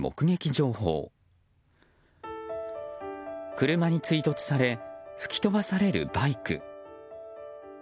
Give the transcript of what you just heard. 車に追突され吹き飛ばされるバイク。